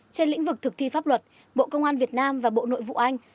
trên lĩnh vực thực thi pháp luật bộ công an việt nam và bộ nội vụ anh